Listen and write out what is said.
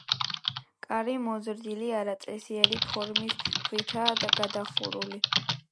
კარი მოზრდილი, არაწესიერი ფორმის ქვითაა გადახურული.